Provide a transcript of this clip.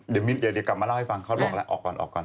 เดี๋ยวกลับมาเล่าให้ฟังเขาบอกแล้วออกก่อนออกก่อน